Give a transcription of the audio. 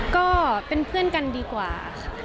ก็เป็นเพื่อนกันดีกว่าค่ะ